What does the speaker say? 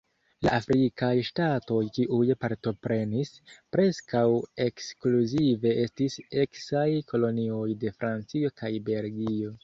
La afrikaj ŝtatoj, kiuj partoprenis, preskaŭ ekskluzive estis eksaj kolonioj de Francio kaj Belgio.